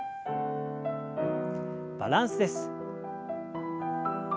バランスです。